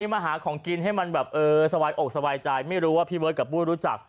มาหาของกินให้มันสบายใจไม่รู้ว่าพี่เบอร์ดกับปู่รู้จัก